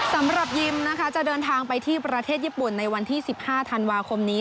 สำหรับยิมนะคะจะเดินทางไปที่ประเทศญี่ปุ่นในวันที่๑๕ธันวาคมนี้